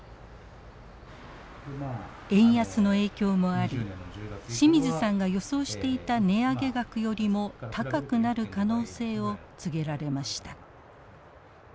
円安の影響もあり清水さんが予想していた値上げ額よりも高くなる可能性を告げられました。